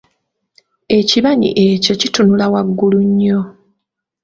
Ekibanyi ekyo kitunula waggulu nnyo.